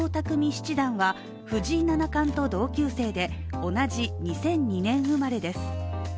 七段は藤井七冠と同級生で同じ２００２年生まれです。